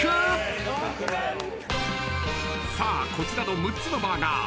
［さあこちらの６つのバーガー］